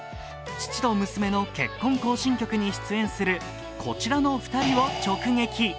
父と娘の結婚行進曲」に出演するこちらの２人を直撃。